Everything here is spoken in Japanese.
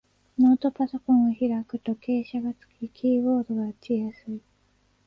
ノートパソコンを開くと傾斜がつき、キーボードが打ちやすい